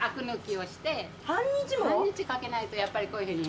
半日かけないとやっぱりこういうふうに。